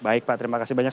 baik pak terima kasih banyak